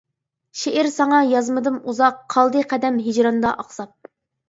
شېئىر ساڭا يازمىدىم ئۇزاق، قالدى قەدەم ھىجراندا ئاقساپ.